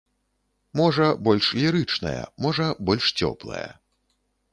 Можа, больш лірычная, можа, больш цёплая.